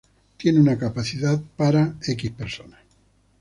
Tiene una capacidad para personas.